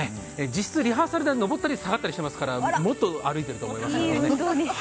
実質リハーサルで上ったり下ったりしていますから、もっと歩いてると思います。